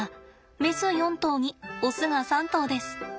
メス４頭にオスが３頭です。